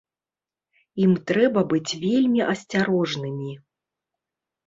Ім трэба быць вельмі асцярожнымі.